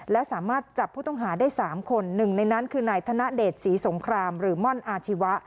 และสามารถจับผู้ต้องหาได้๓คนหนึ่งในนั้นคือนายธนเดชศรีสงครามหรือม่อนอาชีวะ